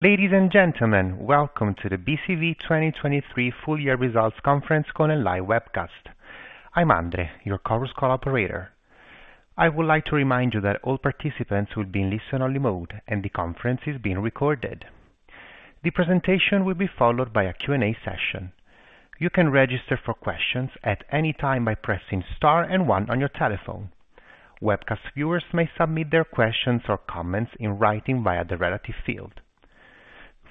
Ladies and gentlemen, welcome to the BCV 2023 full year results conference call and live webcast. I'm Andre, your conference call operator. I would like to remind you that all participants will be in listen-only mode, and the conference is being recorded. The presentation will be followed by a Q&A session. You can register for questions at any time by pressing star and one on your telephone. Webcast viewers may submit their questions or comments in writing via the relative field.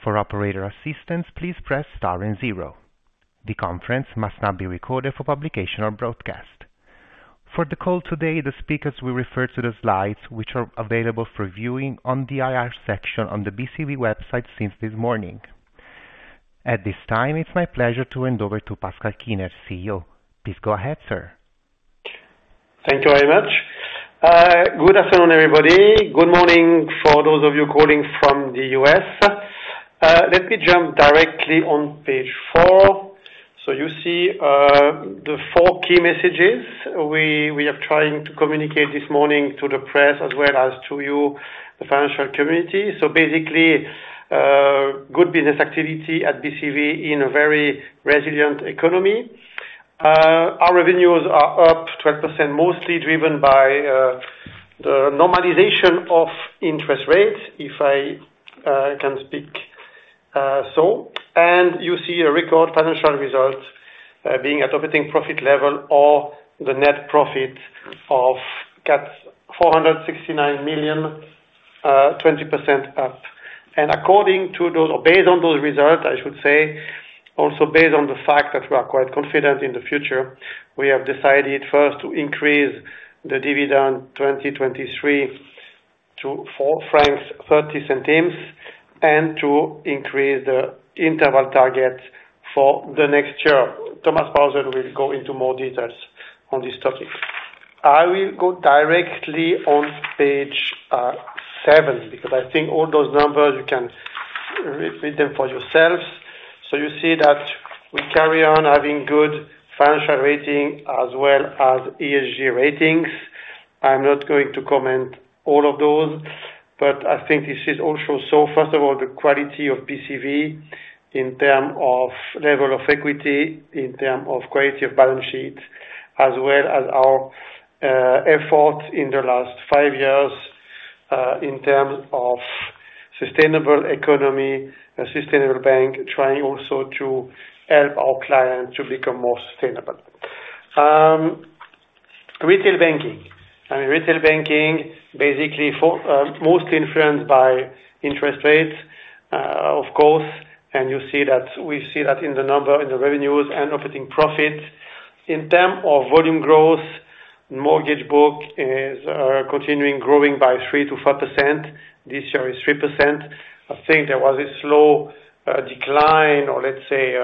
For operator assistance, please press star and zero. The conference must not be recorded for publication or broadcast. For the call today, the speakers will refer to the slides, which are available for viewing on the IR section on the BCV website since this morning. At this time, it's my pleasure to hand over to Pascal Kiener, CEO. Please go ahead, sir. Thank you very much. Good afternoon, everybody. Good morning for those of you calling from the US. Let me jump directly on page four. So you see, the four key messages we are trying to communicate this morning to the press as well as to you, the financial community. So basically, good business activity at BCV in a very resilient economy. Our revenues are up 12%, mostly driven by the normalization of interest rates, if I can speak, so, and you see a record financial result, being at operating profit level or the net profit of 469 million, 20% up. According to those, or based on those results, I should say, also based on the fact that we are quite confident in the future, we have decided, first, to increase the dividend 2023 to CHF 4.30, and to increase the interval target for the next year. Thomas Paulsen will go into more details on this topic. I will go directly on page seven, because I think all those numbers, you can read them for yourselves. You see that we carry on having good financial rating as well as ESG ratings. I'm not going to comment all of those, but I think this is also so... First of all, the quality of BCV in term of level of equity, in term of quality of balance sheet, as well as our effort in the last five years in terms of sustainable economy, a sustainable bank, trying also to help our clients to become more sustainable. Retail banking. I mean, retail banking, basically, for mostly influenced by interest rates, of course, and you see that, we see that in the number, in the revenues and operating profits. In term of volume growth, mortgage book is continuing growing by 3%-4%. This year is 3%. I think there was a slow decline, or let's say,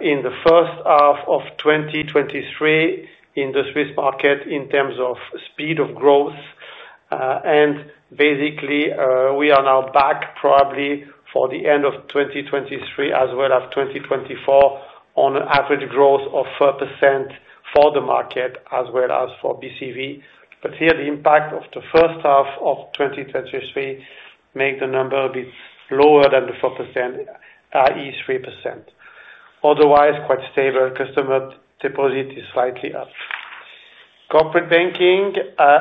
in the first half of 2023, in the Swiss market, in terms of speed of growth, and basically, we are now back probably for the end of 2023, as well as 2024, on average growth of 4% for the market as well as for BCV. But here, the impact of the first half of 2023 make the number a bit lower than the 4%, i.e., 3%. Otherwise, quite stable. Customer deposit is slightly up. Corporate banking,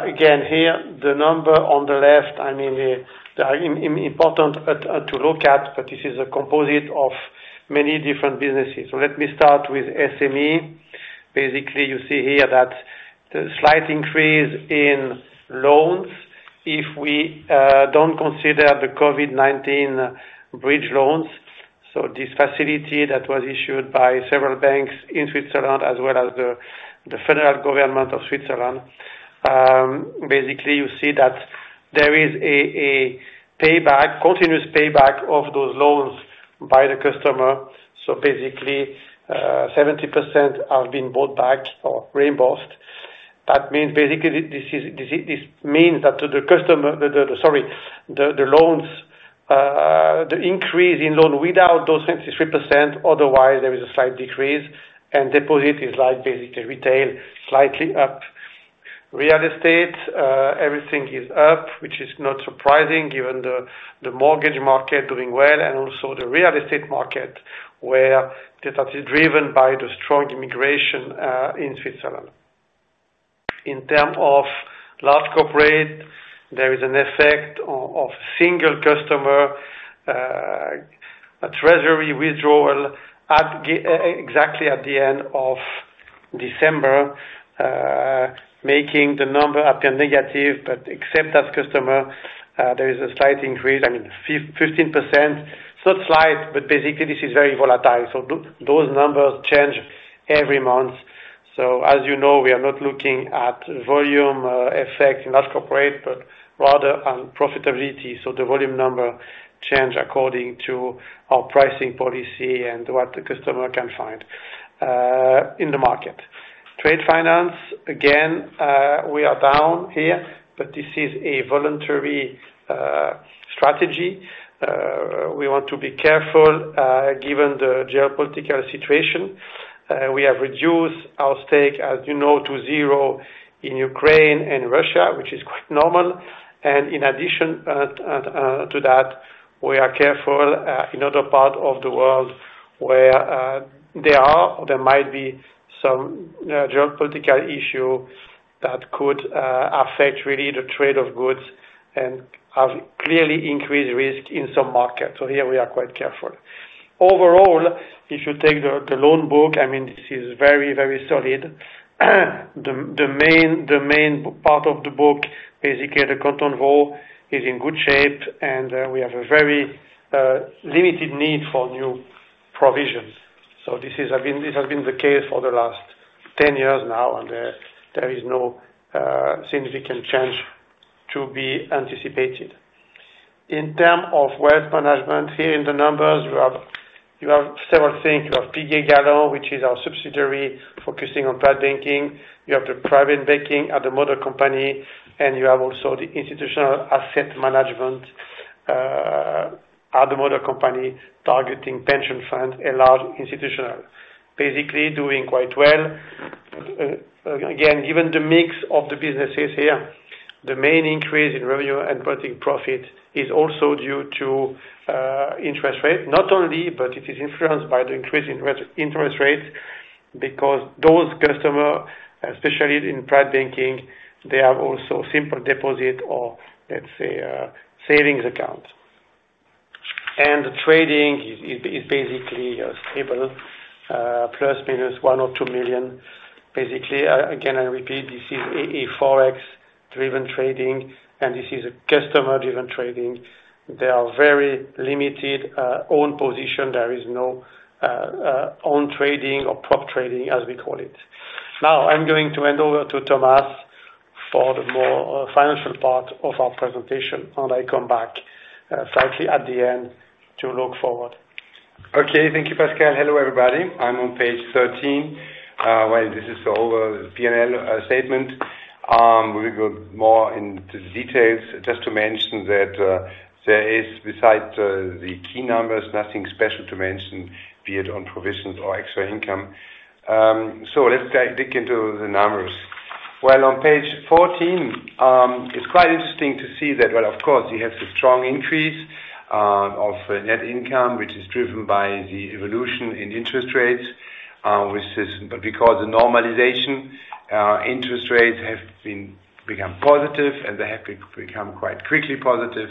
again, here, the number on the left, I mean, the important to look at, but this is a composite of many different businesses. So let me start with SME. Basically, you see here that the slight increase in loans, if we don't consider the COVID-19 bridge loans, so this facility that was issued by several banks in Switzerland as well as the federal government of Switzerland, basically you see that there is a continuous payback of those loans by the customer. So basically, 70% have been bought back or reimbursed. That means basically, this means that to the customer, Sorry, the loans, the increase in loan without those 23%, otherwise there is a slight decrease, and deposit is like basically retail, slightly up. Real estate, everything is up, which is not surprising given the mortgage market doing well and also the real estate market, where this is driven by the strong immigration in Switzerland. In terms of large corporate, there is an effect of single customer, a treasury withdrawal at exactly the end of December, making the number appear negative, but except that customer, there is a slight increase, I mean, 15%. So it's slight, but basically this is very volatile, so those numbers change every month. So as you know, we are not looking at volume effect in large corporate, but rather on profitability. So the volume number change according to our pricing policy and what the customer can find in the market. Trade finance, again, we are down here, but this is a voluntary strategy. We want to be careful, given the geopolitical situation. We have reduced our stake, as you know, to zero in Ukraine and Russia, which is quite normal. And in addition to that, we are careful in other parts of the world where there are, or there might be some geopolitical issue that could affect really the trade of goods and have clearly increased risk in some markets. So here we are quite careful. Overall, if you take the loan book, I mean, this is very, very solid. The main part of the book, basically, the canton Vaud, is in good shape, and we have a very limited need for new provisions. So this has been the case for the last 10 years now, and there is no significant change to be anticipated. In terms of wealth management, here in the numbers, you have several things. You have Piguet Galland, which is our subsidiary focusing on private banking. You have the private banking at the mother company, and you have also the institutional asset management at the mother company, targeting pension fund and large institutional. Basically doing quite well. Again, given the mix of the businesses here, the main increase in revenue and profit is also due to interest rates, not only, but it is influenced by the increase in interest rates, because those customer, especially in private banking, they have also simple deposit or let's say, savings account. Trading is basically stable, ±1 or 2 million. Basically, again, I repeat, this is a Forex-driven trading, and this is a customer-driven trading. They are very limited own position. There is no own trading or prop trading, as we call it. Now, I'm going to hand over to Thomas for the more financial part of our presentation, and I come back slightly at the end to look forward. Okay. Thank you, Pascal. Hello, everybody. I'm on page 13. Well, this is our PNL statement. We'll go more into the details. Just to mention that there is, besides the key numbers, nothing special to mention, be it on provisions or extra income. So let's dig into the numbers. Well, on page 14, it's quite interesting to see that, well, of course, you have the strong increase of net income, which is driven by the evolution in interest rates, which is but because the normalization, interest rates have become positive and they have become quite quickly positive.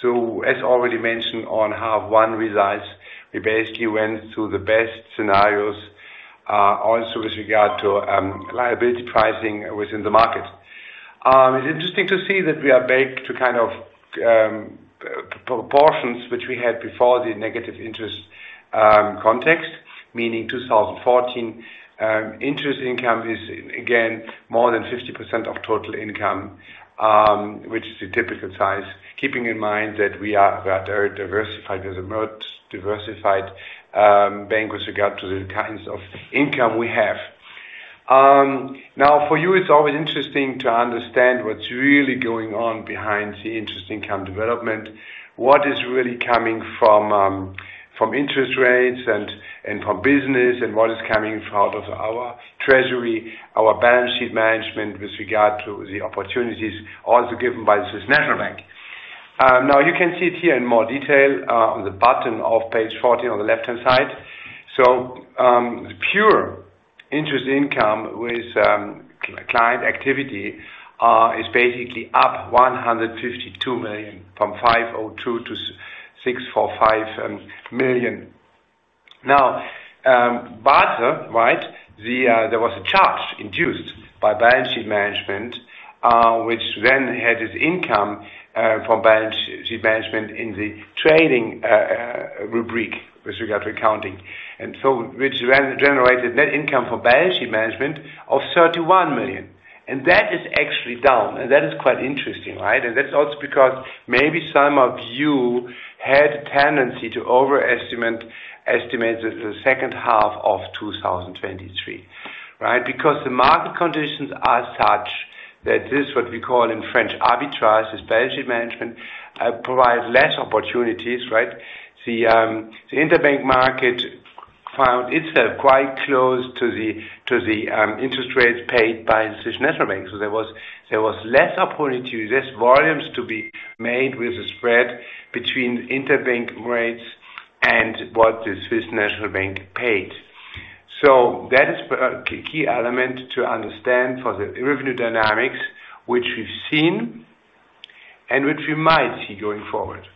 So as already mentioned on how one relies, we basically went through the best scenarios, also with regard to liability pricing within the market. It's interesting to see that we are back to kind of proportions which we had before the negative interest context, meaning 2014. Interest income is again more than 50% of total income, which is the typical size, keeping in mind that we are rather diversified as the most diversified bank with regard to the kinds of income we have. Now for you, it's always interesting to understand what's really going on behind the interest income development, what is really coming from interest rates and from business, and what is coming out of our treasury, our balance sheet management with regard to the opportunities also given by the Swiss National Bank. Now you can see it here in more detail on the bottom of page 14, on the left-hand side. The pure interest income with client activity is basically up 152 million, from 502 million to 645 million. But right, there was a charge induced by balance sheet management, which then had its income for balance sheet management in the trading rubric with regard to accounting, and so which then generated net income for balance sheet management of 31 million. And that is actually down, and that is quite interesting, right? And that's also because maybe some of you had a tendency to overestimate the second half of 2023, right? Because the market conditions are such that this, what we call in French, arbitrage, this balance sheet management provides less opportunities, right? The interbank market found itself quite close to the interest rates paid by Swiss National Bank. So there was less opportunity, less volumes to be made with the spread between interbank rates and what the Swiss National Bank paid. So that is key element to understand for the revenue dynamics, which we've seen and which we might see going forward.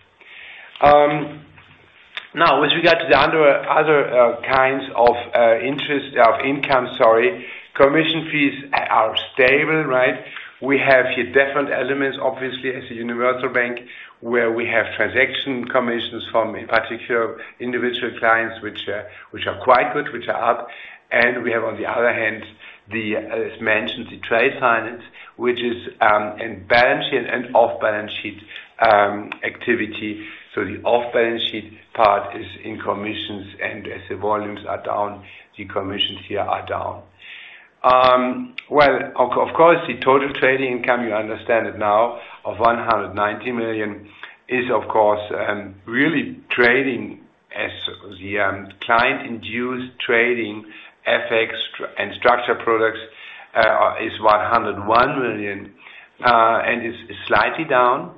Now, with regard to the other kinds of interest income, sorry, commission fees are stable, right? We have here different elements, obviously, as a universal bank, where we have transaction commissions from, in particular, individual clients, which are quite good, which are up. And we have, on the other hand, as mentioned, the trade finance, which is in balance sheet and off balance sheet activity. So the off balance sheet part is in commissions, and as the volumes are down, the commissions here are down. Well, of course, the total trading income, you understand it now, of 190 million is of course really trading as the client-induced trading effects and structured products is 101 million. And is slightly down.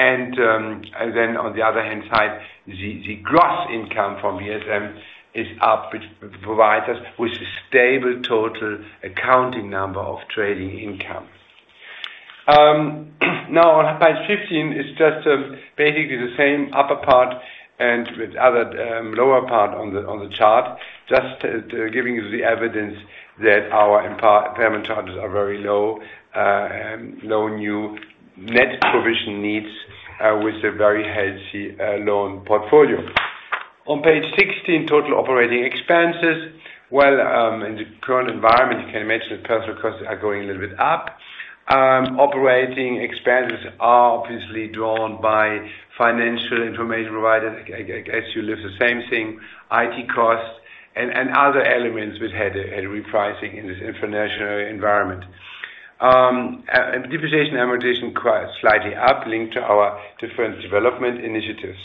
And then on the other hand side, the gross income from SME is up, which provides us with a stable total accounting number of trading income. Now, on page 15, it's just basically the same upper part and with other lower part on the chart, just to give you the evidence that our impairment charges are very low, no new net provision needs, with a very healthy loan portfolio. On page 16, total operating expenses. Well, in the current environment, you can imagine the personnel costs are going a little bit up. Operating expenses are obviously driven by financial information providers, like, like [SU Live], the same thing, IT costs and other elements which had a repricing in this international environment. And depreciation, amortization, quite slightly up, linked to our different development initiatives.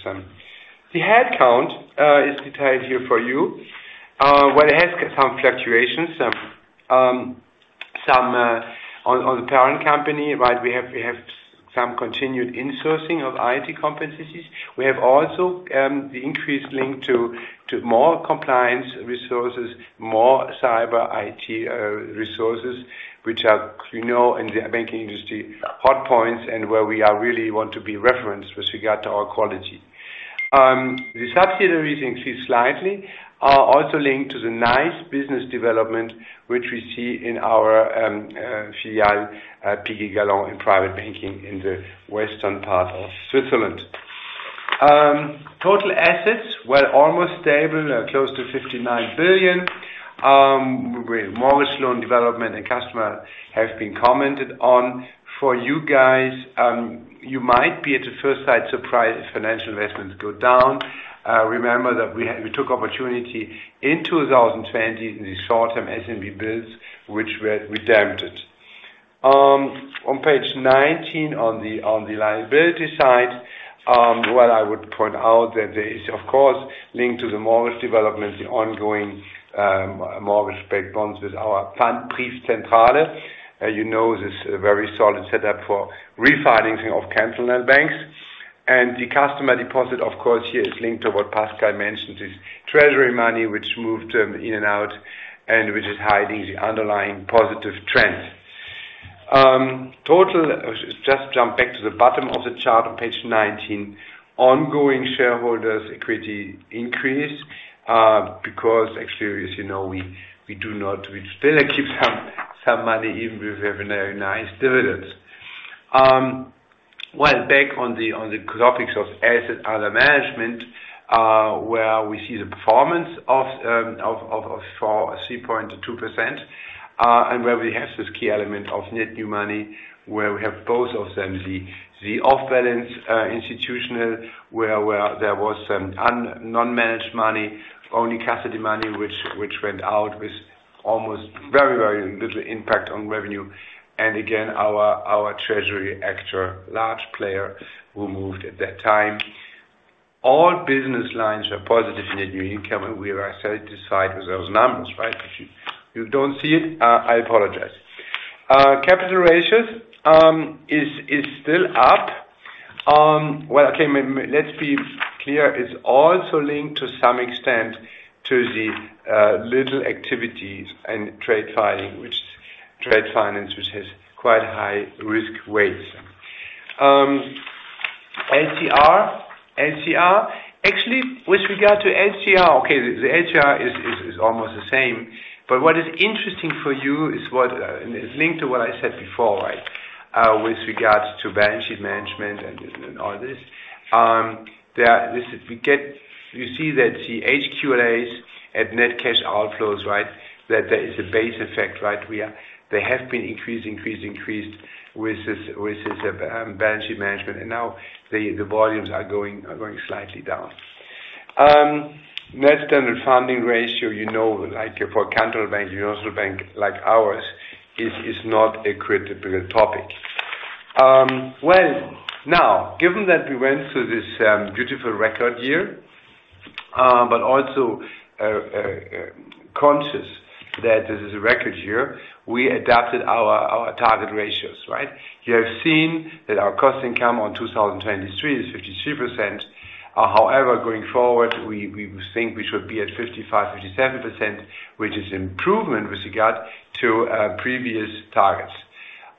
The headcount is detailed here for you. Well, it has some fluctuations, some on the parent company, right? We have some continued insourcing of IT competencies. We have also the increased link to more compliance resources, more cyber IT resources, which are, you know, in the banking industry, hot points and where we are really want to be referenced with regard to our quality. The subsidiaries increased slightly, are also linked to the nice business development, which we see in our filiale Piguet Galland in private banking in the western part of Switzerland. Total assets were almost stable, close to 59 billion. With mortgage loan development and customer have been commented on. For you guys, you might be at a first sight surprised if financial investments go down. Remember that we had, we took opportunity in 2020, in the short-term SNB bills, which were redeemed. On page 19, on the, on the liability side, what I would point out that there is, of course, linked to the mortgage development, the ongoing, mortgage-backed bonds with our Pfandbriefzentrale. You know, this is a very solid setup for refinancing of cantonal banks. And the customer deposit, of course, here is linked to what Pascal mentioned, is treasury money, which moved, in and out, and which is hiding the underlying positive trends. Total, just jump back to the bottom of the chart on page 19. Ongoing shareholders equity increase, because actually, as you know, we, we do not -- we still keep some, some money, even if we have a very nice dividends. Well, back on the graphics of assets under management, where we see the performance of 3.2%, and where we have this key element of net new money, where we have both of them, the off-balance-sheet institutional, where there was non-managed money, only custody money, which went out with almost very, very little impact on revenue. And again, our treasury actor, large player, who moved at that time. All business lines are positive net new money, and we are excited to delight with those numbers, right? If you don't see it, I apologize. Capital ratios is still up. Well, okay, let's be clear. It's also linked to some extent to the little activities and trade funding, which trade finance, which has quite high risk weights. LCR. Actually, with regard to LCR, okay, the LCR is almost the same. But what is interesting for you is what is linked to what I said before, right? With regards to balance sheet management and all this. You see that the HQLAs at net cash outflows, right? That there is a base effect, right? They have been increased with this balance sheet management, and now the volumes are going slightly down. Net stable funding ratio, you know, like for a cantonal bank, universal bank, like ours, it is not a critical topic. Well, now, given that we went through this beautiful record year, but also conscious that this is a record year, we adapted our target ratios, right? You have seen that our cost income on 2023 is 52%. However, going forward, we think we should be at 55%-57%, which is improvement with regard to previous targets.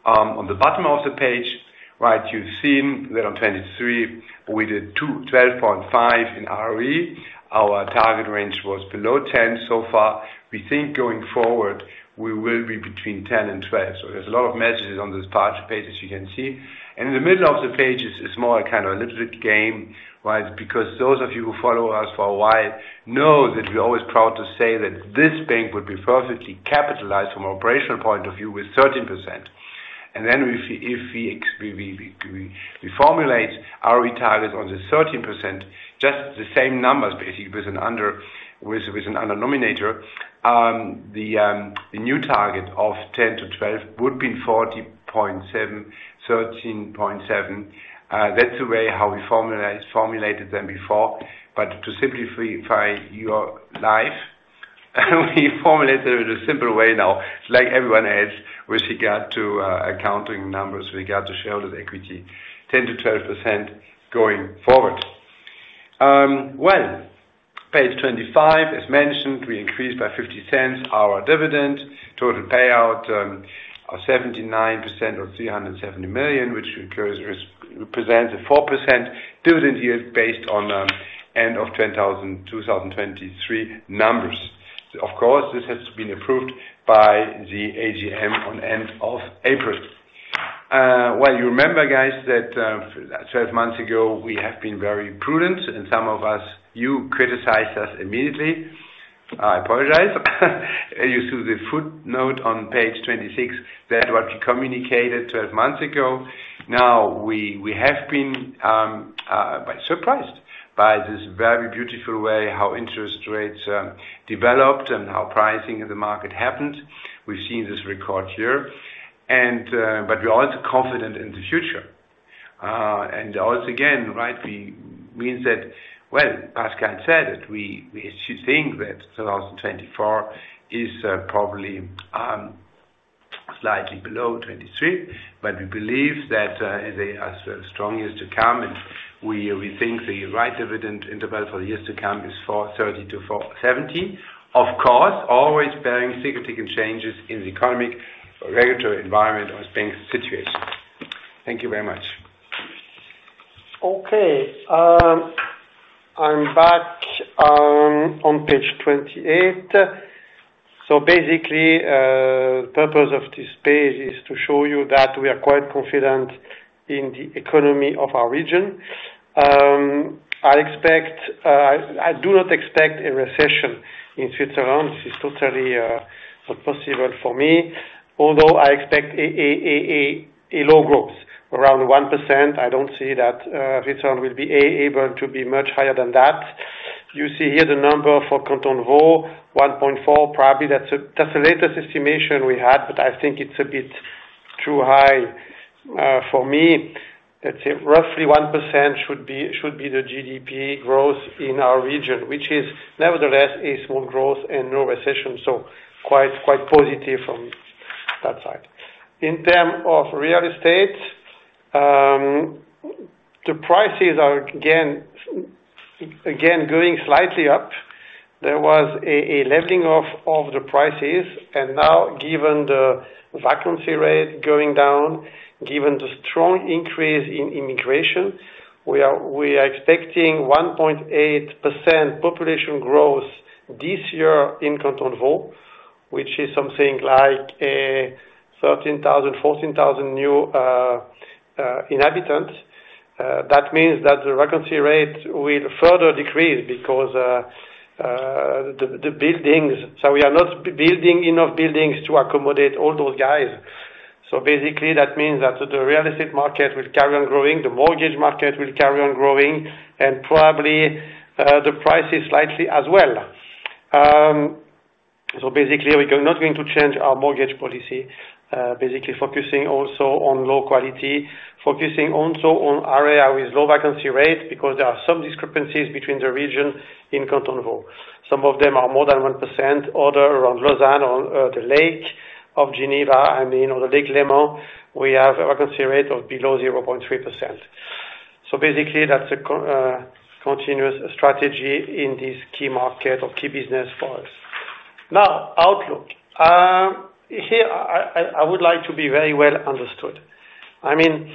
On the bottom of the page, right, you've seen that on 2023, we did 12.5 in ROE. Our target range was below 10 so far. We think going forward, we will be between 10 and 12. So there's a lot of messages on this page, as you can see. In the middle of the page is more a kind of a little bit game, right? Because those of you who follow us for a while know that we're always proud to say that this bank would be perfectly capitalized from an operational point of view with 13%. And then if we formulate our ratio on the 13%, just the same numbers, basically, with a denominator. The new target of 10%-12% would be 40.7, 13.7. That's the way how we formulated them before. But to simplify your life. We formulated it in a simple way now, like everyone else, with regard to accounting numbers, regard to shareholder equity, 10%-12% going forward. Well, page 25, as mentioned, we increased by 0.50 our dividend, total payout of 79% of 370 million, which represents a 4% dividend yield based on end of 2023 numbers. Of course, this has been approved by the AGM on end of April. Well, you remember guys that 12 months ago, we have been very prudent, and some of you criticized us immediately. I apologize. You see the footnote on page 26, that's what we communicated 12 months ago. Now, we have been surprised by this very beautiful way how interest rates developed and how pricing in the market happened. We've seen this record here, and but we're also confident in the future. And also, again, right, means that, well, Pascal said it, we should think that 2024 is probably slightly below 23, but we believe that they are strong years to come, and we think the right dividend interval for years to come is 4.30-4.70. Of course, always bearing significant changes in the economic, regulatory environment or bank situation. Thank you very much. Okay, I'm back on page 28. So basically, the purpose of this page is to show you that we are quite confident in the economy of our region. I expect, I do not expect a recession in Switzerland. This is totally not possible for me. Although, I expect a low growth, around 1%. I don't see that return will be able to be much higher than that. You see here the number for Canton Vaud, 1.4, probably. That's the latest estimation we had, but I think it's a bit too high for me. Let's say, roughly 1% should be the GDP growth in our region, which is nevertheless a small growth and no recession, so quite positive from that side. In terms of real estate, the prices are again going slightly up. There was a leveling off of the prices, and now, given the vacancy rate going down, given the strong increase in immigration, we are expecting 1.8% population growth this year in Canton Vaud, which is something like 13,000, 14,000 new inhabitants. That means that the vacancy rate will further decrease because the buildings— So we are not building enough buildings to accommodate all those guys. So basically, that means that the real estate market will carry on growing, the mortgage market will carry on growing, and probably the prices slightly as well. So basically, we are not going to change our mortgage policy, basically focusing also on low quality, focusing also on area with low vacancy rate, because there are some discrepancies between the region in Canton Vaud. Some of them are more than 1%, other around Lausanne, on the Lake of Geneva, I mean, on the Lake Léman, we have a vacancy rate of below 0.3%. So basically, that's a continuous strategy in this key market or key business for us. Now, outlook. Here, I would like to be very well understood. I mean,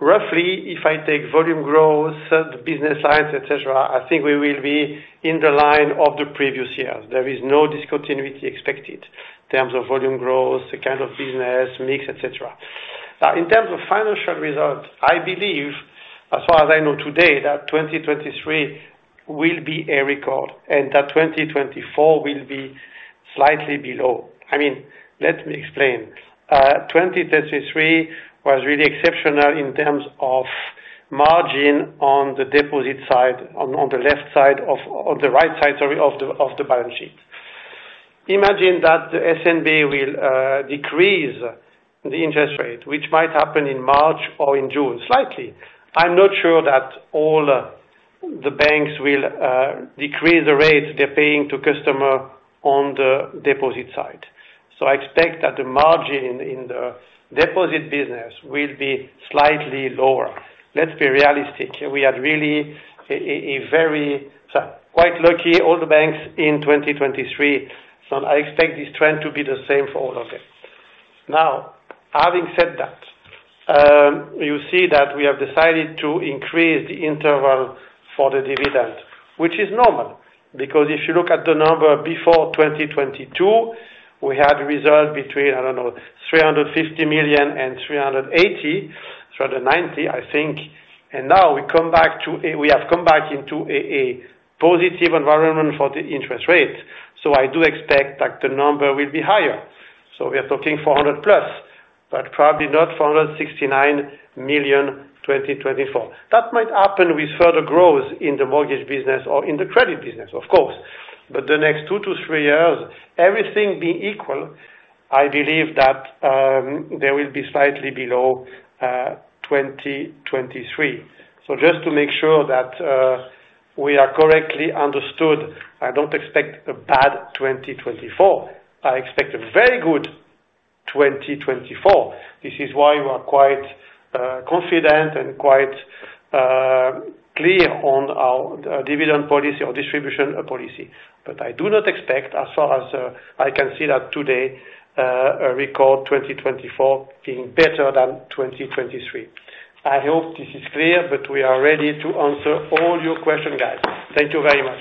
roughly, if I take volume growth, the business side, et cetera, I think we will be in the line of the previous years. There is no discontinuity expected in terms of volume growth, the kind of business, mix, et cetera. In terms of financial results, I believe, as far as I know today, that 2023 will be a record, and that 2024 will be slightly below. I mean, let me explain. 2023 was really exceptional in terms of margin on the deposit side, on the right side, sorry, of the balance sheet. Imagine that the SNB will decrease the interest rate, which might happen in March or in June, slightly. I'm not sure that all the banks will decrease the rate they're paying to customer on the deposit side. So I expect that the margin in the deposit business will be slightly lower. Let's be realistic. We are really very so quite lucky all the banks in 2023, so I expect this trend to be the same for all of them. Now, having said that, you see that we have decided to increase the interval for the dividend, which is normal, because if you look at the number before 2022, we had a result between, I don't know, 350 million and 380 million, 390 million, I think. And now we have come back into a positive environment for the interest rate. So I do expect that the number will be higher. So we are talking 400+ million, but probably not 469 million, 2024. That might happen with further growth in the mortgage business or in the credit business, of course, but the next two to three years, everything being equal, I believe that they will be slightly below 2023. So just to make sure that we are correctly understood, I don't expect a bad 2024. I expect a very good 2024. This is why we are quite confident and quite clear on our dividend policy or distribution policy. But I do not expect, as far as I can see that today, a record 2024 being better than 2023. I hope this is clear, but we are ready to answer all your questions, guys. Thank you very much.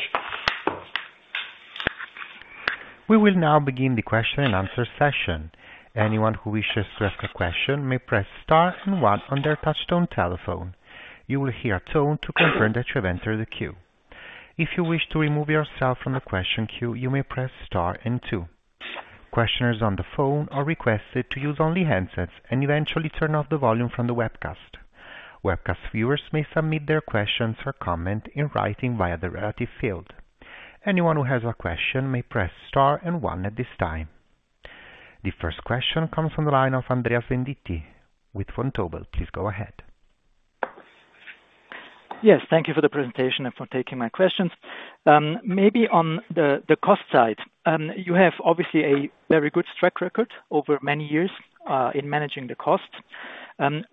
We will now begin the question and answer session. Anyone who wishes to ask a question may press star and one on their touchtone telephone. You will hear a tone to confirm that you have entered the queue. If you wish to remove yourself from the question queue, you may press star and two. Questioners on the phone are requested to use only handsets and eventually turn off the volume from the webcast. Webcast viewers may submit their questions or comment in writing via the relative field. Anyone who has a question may press star and one at this time. The first question comes from the line of Andreas Venditti with Vontobel. Please go ahead. Yes, thank you for the presentation and for taking my questions. Maybe on the cost side, you have obviously a very good track record over many years in managing the cost.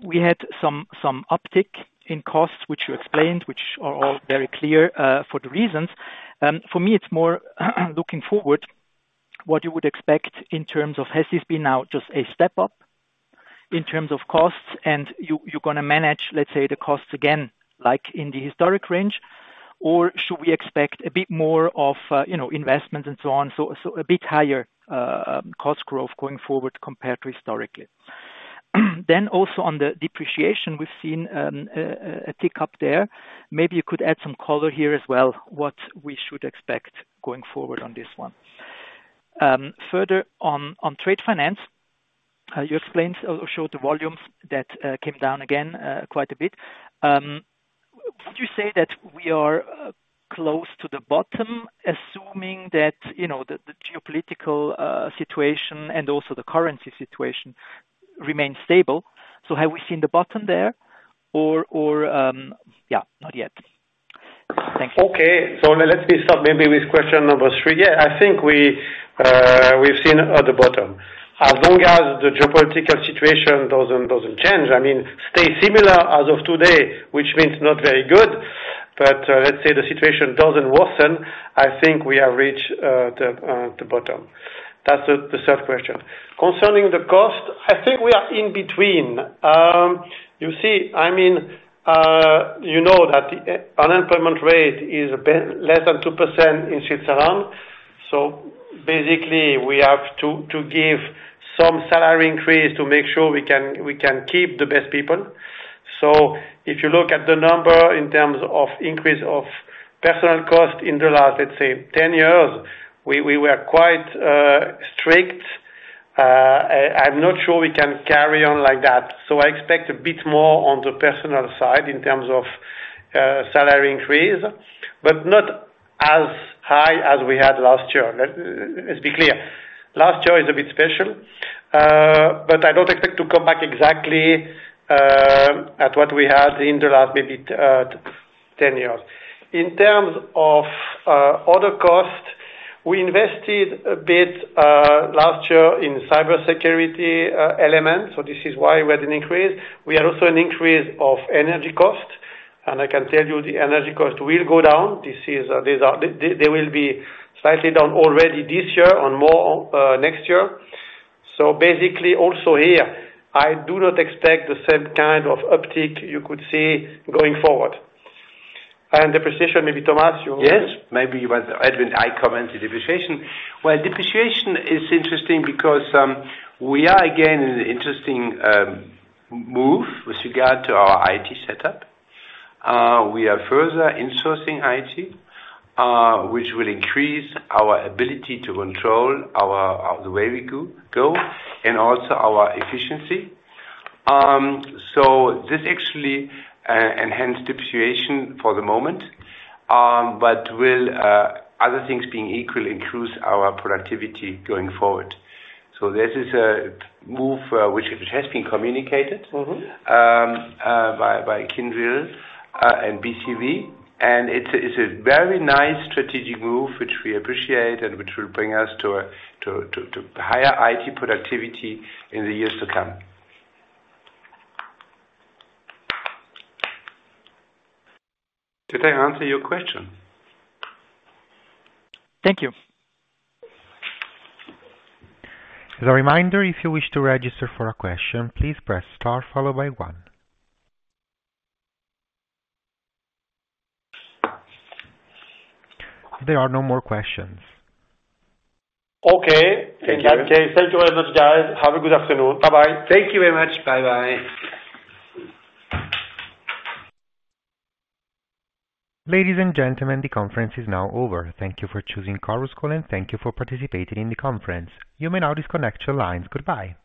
We had some uptick in costs, which you explained, which are all very clear for the reasons. For me, it's more looking forward, what you would expect in terms of has this been now just a step up in terms of costs and you you're gonna manage, let's say, the costs again, like in the historic range? Or should we expect a bit more of you know investment and so on, so a bit higher cost growth going forward compared to historically? Then also on the depreciation, we've seen a tick up there. Maybe you could add some color here as well, what we should expect going forward on this one. Further on trade finance, you explained or showed the volumes that came down again quite a bit. Would you say that we are close to the bottom, assuming that, you know, the geopolitical situation and also the currency situation remains stable? So have we seen the bottom there or... Yeah, not yet. Thank you. Okay. So let's start maybe with question number three. Yeah, I think we've seen at the bottom. As long as the geopolitical situation doesn't change, I mean, stay similar as of today, which means not very good, but let's say the situation doesn't worsen, I think we have reached the bottom. That's the third question. Concerning the cost, I think we are in between. You see, I mean, you know that the unemployment rate is less than 2% in Switzerland, so basically we have to give some salary increase to make sure we can keep the best people. So if you look at the number in terms of increase of personal cost in the last, let's say, 10 years, we were quite strict. I'm not sure we can carry on like that. So I expect a bit more on the personal side in terms of salary increase, but not as high as we had last year. Let's be clear, last year is a bit special, but I don't expect to come back exactly at what we had in the last maybe 10 years. In terms of other costs, we invested a bit last year in cybersecurity elements, so this is why we had an increase. We had also an increase of energy cost, and I can tell you the energy cost will go down. These are. They will be slightly down already this year and more next year. So basically, also here, I do not expect the same kind of uptick you could see going forward. And depreciation, maybe, Thomas, you- Yes, maybe you want me to comment on the depreciation. Well, depreciation is interesting because we are again in an interesting move with regard to our IT setup. We are further insourcing IT, which will increase our ability to control our the way we go and also our efficiency. So this actually enhances depreciation for the moment, but will, other things being equal, increase our productivity going forward. So this is a move which it has been communicated- Mm-hmm. by Kyndryl and BCV, vand it's a very nice strategic move which we appreciate and which will bring us to a higher IT productivity in the years to come. Did I answer your question? ± Thank you. As a reminder, if you wish to register for a question, please press star followed by one. There are no more questions. Okay. Thank you. Okay. Thank you very much, guys. Have a good afternoon. Bye-bye. Thank you very much. Bye-bye. Ladies and gentlemen, the conference is now over. Thank you for choosing Chorus Call, and thank you for participating in the conference. You may now disconnect your lines. Goodbye.